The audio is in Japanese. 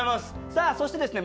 さあそしてですね